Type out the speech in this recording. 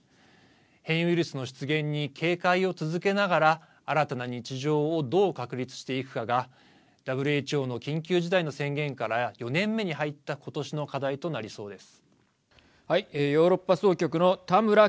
変異ウイルスの出現に警戒を続けながら新たな日常をどう確立していくかがＷＨＯの緊急事態の宣言から４年目に入った今年の課題となりそうです。